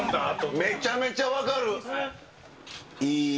めちゃめちゃ分かる！